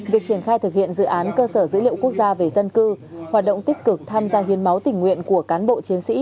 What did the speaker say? việc triển khai thực hiện dự án cơ sở dữ liệu quốc gia về dân cư hoạt động tích cực tham gia hiến máu tình nguyện của cán bộ chiến sĩ